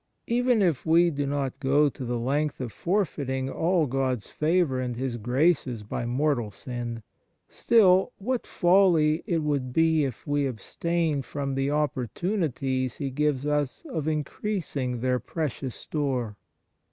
Even if we do not go to the length of forfeiting all God s favour and His graces by mortal sin, still, what folly it would be if we abstained from the opportunities He gives us of increasing their precious store